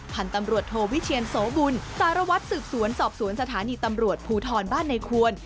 พันธุ์ตำรวจโทวิเชียนโสบุญสารวัตรสืบสวนสอบสวนสถานีตำรวจภูทรบ้านในควร